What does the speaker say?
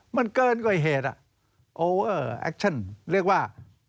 มันเกินกว่าเหตุอ่ะโอเวอร์แอคชั่นเรียกว่า